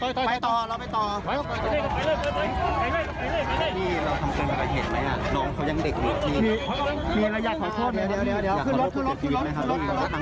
พี่ทางย่าตโอ้ว่าใครทำอ่า